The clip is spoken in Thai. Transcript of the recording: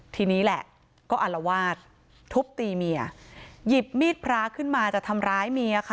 ทีนี้แหละก็อารวาสทุบตีเมียหยิบมีดพระขึ้นมาจะทำร้ายเมียค่ะ